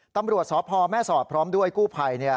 ตำรวจสพแม่สอดพร้อมด้วยกู้ภัย